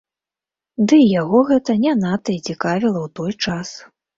Дый яго гэта не надта і цікавіла ў той час.